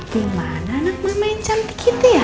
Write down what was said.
dimana anak mama yang cantik gitu ya